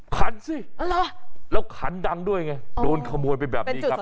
ขันสิแล้วขันดังด้วยไงโดนขโมยไปแบบนี้ครับ